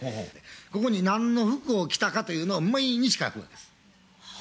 ここに何の服を着たかというのを毎日書くんです。